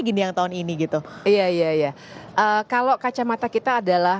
gambar yang anda saksikan saat ini adalah